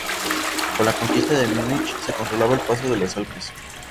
Con la conquista de Múnich, se controlaba el paso de los Alpes.